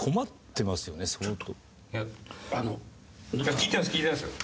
聞いてます聞いてますよ。